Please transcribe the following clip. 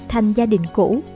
thanh gia đình cũ